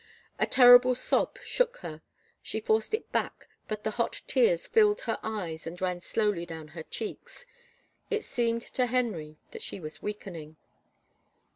A terrible sob shook her; she forced it back but the hot tears filled her eyes and rail slowly down her cheeks. It seemed to Henry that she was weakening.